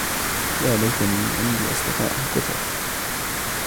يا ليتني عندي أصدقاء كثر.